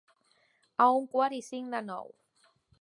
A un quart i cinc de nou.